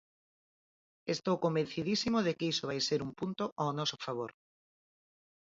Estou convencidísimo de que iso vai ser un punto ao noso favor.